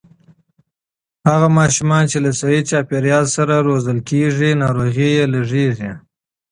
هغه ماشومان چې له صحي چاپېريال سره روزل کېږي، ناروغۍ لږېږي.